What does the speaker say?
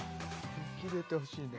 雪出てほしいね